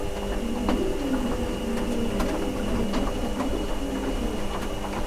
Зямлю сваю ён атрымаў, як толькі паказаў палкоўніцкую паперку.